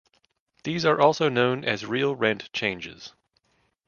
These are also known as real rent changes.